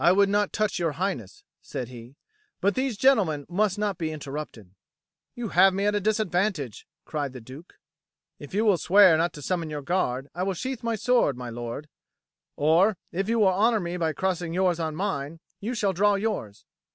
"I would not touch your Highness," said he, "but these gentlemen must not be interrupted." "You take me at a disadvantage," cried the Duke. "If you will swear not to summon your guard, I will sheath my sword, my lord; or, if you will honour me by crossing yours on mine, you shall draw yours."